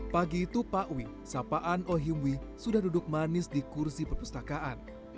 pagi itu pak wi sapaan ohimwi sudah duduk manis di kursi perpustakaan